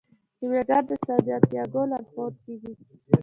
کیمیاګر د سانتیاګو لارښود کیږي.